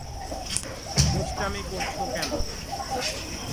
ভারতবর্ষে মুসলমানদের স্বার্থ সংরক্ষণে এই দলটি বিশেষ ভূমিকা পালন করে।